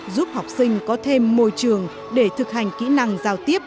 giúp học sinh có thêm môi trường để thực hành kỹ năng giao tiếp